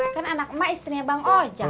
kan anak emak istrinya bang oja